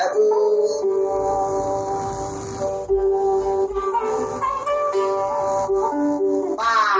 ตุยเชี่ยว